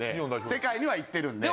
世界には行ってるんで。